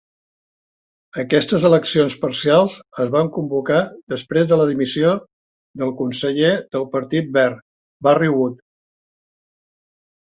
Aquestes eleccions parcials es van convocar després de la dimissió del conseller del Partit Verd, Barrie Wood.